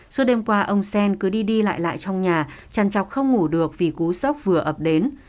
suốt đêm qua ông xen cứ đi đi lại lại trong nhà chăn chọc không ngủ được vì cú sốc vừa ập đến